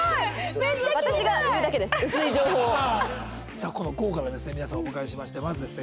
さあこの豪華な皆さんをお迎えしましてまずですね